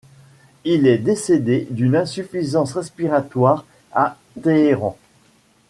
Il est décédé d'une insuffisance respiratoire à Téhéran.